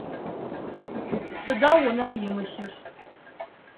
Сыда унэм имылъыр?